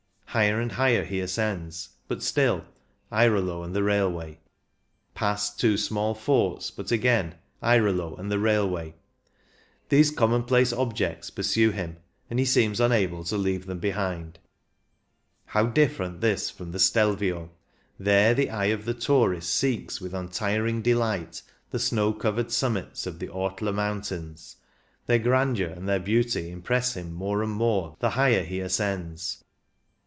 Higher and higher he ascends, but still — Airolo and the railway. Past two small forts, but again ^ 1 82 CYCLING IN THE ALPS Airolo and the railway. These common place objects pursue him, and he seems unable to leave them behind. How different this from the Stelvio ! There the eye of the tourist seeks with untiring delight the snow covered summits of the Ortler Mountains. Their grandeur and their beauty impress him more and more the higher he ascends.